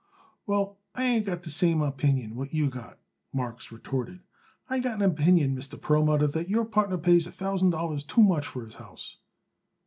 "Well, I ain't got the same opinion what you got," Marks retorted. "I got an opinion, Mr. Perlmutter, that your partner pays a thousand dollars too much for his house."